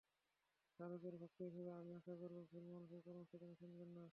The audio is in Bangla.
শাহরুখের ভক্ত হিসেবে আমি আশা করব, ভুল মানুষের পরামর্শ তিনি শুনবেন না।